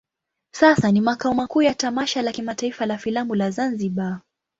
Sasa ni makao makuu ya tamasha la kimataifa la filamu la Zanzibar.